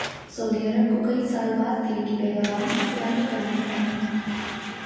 سعودی عرب کا کئی سال بعد تیل کی پیداواری صلاحیت بڑھانے کا اعلان